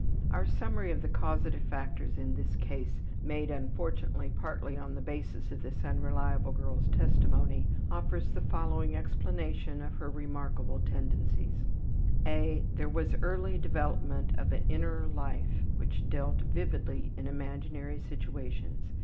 Our summary of the causative factors in this case, made, unfortunately, partly on the basis of this unreliable girl's testimony, offers the following explanation of her remarkable tendencies: (a) There was early development of an inner life which dealt vividly in imaginary situations.